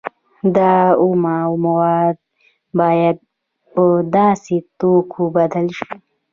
دا اومه مواد باید په داسې توکو بدل شي